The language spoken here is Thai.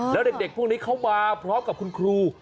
แล้วเด็กพวกนี้เขามาพร้อมกับคุณครู